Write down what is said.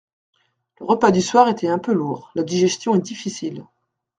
Le repas du soir était un peu lourd, la digestion est difficile.